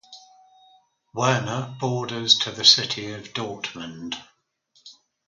Werne borders to the city of Dortmund.